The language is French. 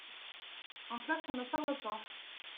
en classe, on ne parle pas